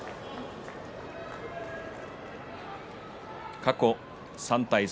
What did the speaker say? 過去、３対３。